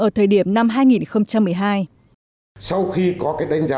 ở thời điểm năm hai nghìn một mươi hai